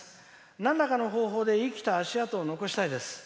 なんとかして生きた足跡を残したいです。